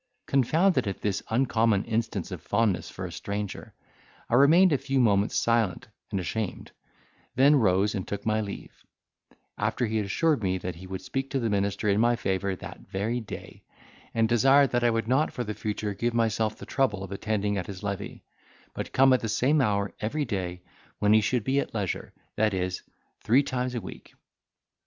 Confounded at this uncommon instance of fondness for a stranger, I remained a few moments silent and ashamed; then rose and took my leave, after he had assured me that he would speak to the minister in my favour that very day; and desired that I would not for the future give myself the trouble of attending at his levee, but come at the same hour every day, when he should be at leisure, that is, three times a week.